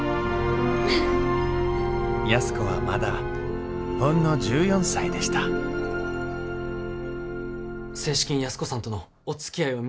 安子はまだほんの１４歳でした正式に安子さんとのおつきあいを認めていただきたい思ようります。